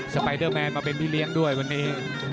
ไปเดอร์แมนมาเป็นพี่เลี้ยงด้วยวันนี้